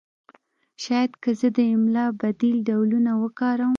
شاید که زه د املا بدیل ډولونه وکاروم